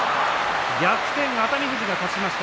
逆転、熱海富士が勝ちました。